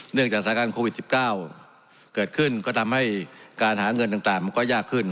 จากสถานการณ์โควิด๑๙เกิดขึ้นก็ทำให้การหาเงินต่างมันก็ยากขึ้น